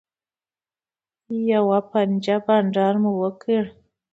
یوه پنجه بنډار مو وکړ.